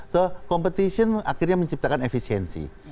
so competition akhirnya menciptakan efisiensi